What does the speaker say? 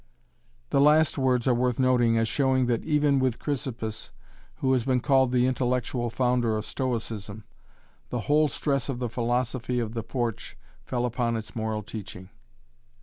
The last words are worth noting as showing that even with Chrysippus who has been called the intellectual founder of Stoicism the whole stress of the philosophy of the Porch fell upon its moral teaching.